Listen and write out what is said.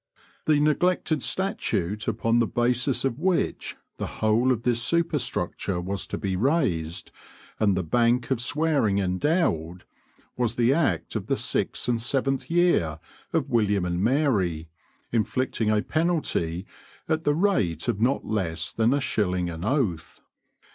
The neglected statute upon the basis of which the whole of this superstructure was to be raised and the Bank of Swearing endowed, was the act of the sixth and seventh year of William and Mary, inflicting a penalty at the rate of not less than a shilling an oath.